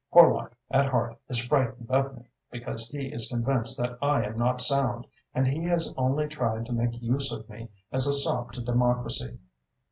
Horlock at heart is frightened of me, because he is convinced that I am not sound, and he has only tried to make use of me as a sop to democracy.